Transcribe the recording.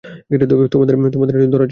তোমাদের ধরার চেষ্টা করবে সে।